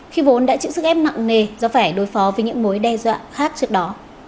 khi vốn đã chịu sức ép nặng nề do phải đối phó với những mối đe dọa khác trước đó